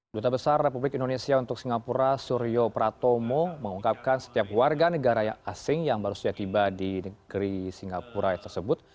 duta besar republik indonesia untuk singapura suryo pratomo mengungkapkan setiap warga negara asing yang baru saja tiba di negeri singapura tersebut